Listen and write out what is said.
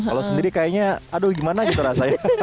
kalau sendiri kayaknya aduh gimana gitu rasanya